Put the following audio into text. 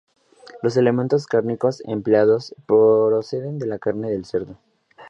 Los elementos cárnicos empleados proceden de la carne de cerdo.